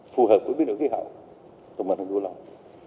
phù hợp với biến đổi khí hậu của mặt hình của lòng